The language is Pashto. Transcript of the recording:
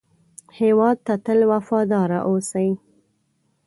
هېواد ته تل وفاداره اوسئ